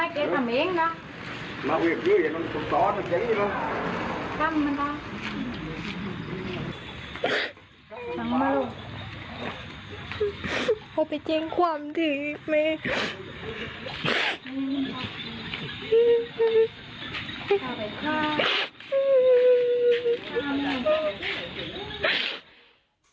เขาไปจริงความดีอีกเลย